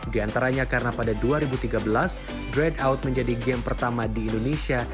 di antaranya karena pada dua ribu tiga belas grade out menjadi game pertama di indonesia